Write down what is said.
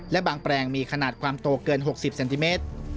และบางแปลงมีขนาดความโตเกิน๖๐เซนติเมตร